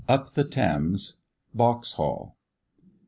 Up the Thames. Vauxhall.